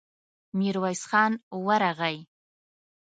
ميرويس خان ورغی.